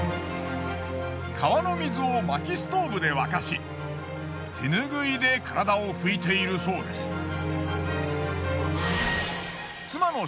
川の水をまきストーブで沸かし手ぬぐいで体を拭いているそうです。